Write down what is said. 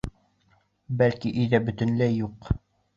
Бәләкәй өйҙәр бөтөнләй юҡ.